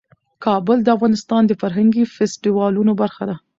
کابل د افغانستان د فرهنګي فستیوالونو برخه ده.